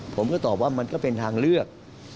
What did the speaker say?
ผมก็ตอบว่ามันก็เป็นทางเลือก